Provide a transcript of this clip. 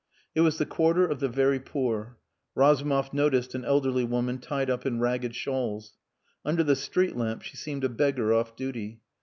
It was the quarter of the very poor. Razumov noticed an elderly woman tied up in ragged shawls. Under the street lamp she seemed a beggar off duty.